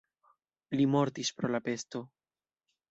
Li mortis pro la pesto.